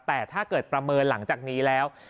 แต่ถ้าเกิดประเมินหลังจากนี้แล้ว